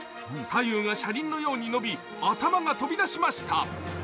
左右が車輪のように伸び頭が飛び出しました。